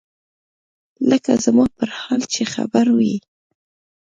لکه زما پر حال چې خبر وي.